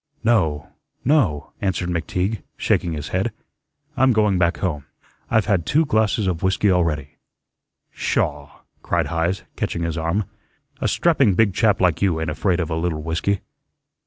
"No, no," answered McTeague, shaking his head. "I'm going back home. I've had two glasses of whiskey already." "Sha!" cried Heise, catching his arm. "A strapping big chap like you ain't afraid of a little whiskey."